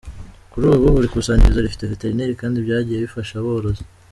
Kuri ubu buri kusanyirizo rifite Veterineri kandi byagiye bifasha aborozi.